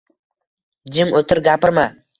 “Jim o‘tir, gapirma!”